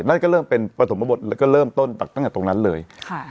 นั่นก็เริ่มเป็นปฐมบทแล้วก็เริ่มต้นตั้งแต่ตรงนั้นเลย